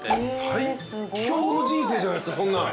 最強の人生じゃないですかそんなん。